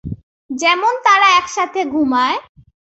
যেমন তারা একসাথে ঘুমায়।